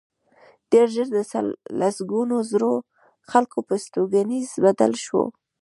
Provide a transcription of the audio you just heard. ډېر ژر د لسګونو زرو خلکو پر استوګنځي بدل شو